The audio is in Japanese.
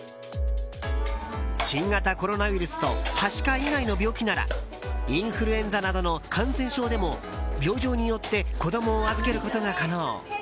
新型コロナウイルスとはしか以外の病気ならインフルエンザなどの感染症でも病状によって子供を預けることが可能。